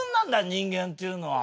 人間っていうのは。